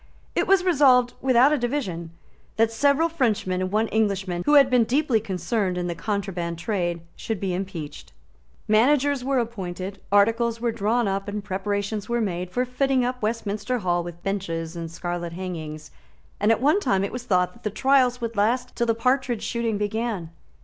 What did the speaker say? It was resolved, without a division, that several Frenchmen and one Englishman who had been deeply concerned in the contraband trade should be impeached. Managers were appointed; articles were drawn up; preparations were made for fitting up Westminster Hall with benches and scarlet hangings; and at one time it was thought that the trials would last till the partridge shooting began.